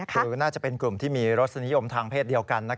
คือน่าจะเป็นกลุ่มที่มีรสนิยมทางเพศเดียวกัน